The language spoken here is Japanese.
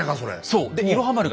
そう。